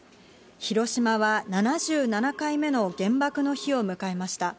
広島は、７７回目の原爆の日を迎えました。